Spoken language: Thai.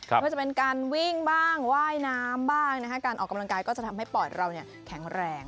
ว่าจะเป็นการวิ่งบ้างว่ายน้ำบ้างนะคะการออกกำลังกายก็จะทำให้ปอดเราแข็งแรง